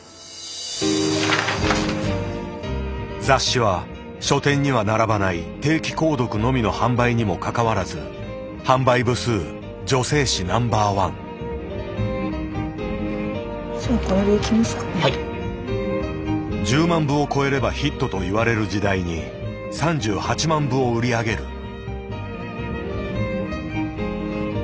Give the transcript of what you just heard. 雑誌は書店には並ばない定期購読のみの販売にもかかわらず販売部数１０万部を超えればヒットといわれる時代に３８万部を売り上げる。